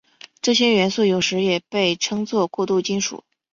这些元素有时也被称作过渡金属。